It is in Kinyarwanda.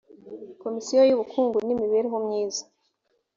komisiyo y ubukungu n imibereho myiza